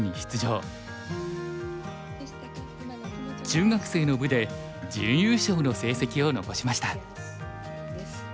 中学生の部で準優勝の成績を残しました。